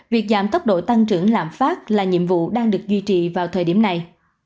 việc giảm tốc độ tăng trưởng lạm phát là nhiệm vụ đang được duy trì vào thời điểm này